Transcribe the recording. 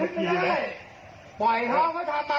ตัวอยู่วัดนั้น